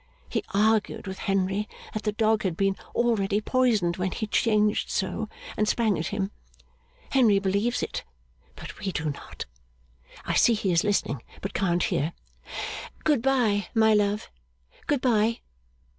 He argued with Henry that the dog had been already poisoned when he changed so, and sprang at him. Henry believes it, but we do not. I see he is listening, but can't hear. Good bye, my love! Good bye!